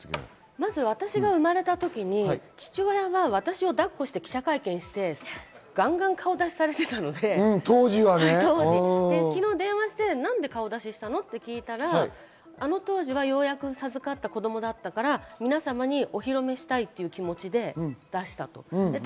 私が生まれたときに父親は私をだっこして記者会見して顔出しをされていたので、昨日、電話して、なんで顔出ししたのって聞いたら、あの当時は、ようやく授かった子供だったから皆様にお披露目したいという気持ちで出したと。